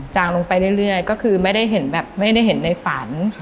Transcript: ลงไปเรื่อยก็คือไม่ได้เห็นแบบไม่ได้เห็นในฝัน